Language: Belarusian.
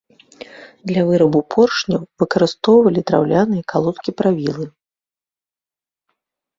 Для вырабу поршняў выкарыстоўвалі драўляныя калодкі-правілы.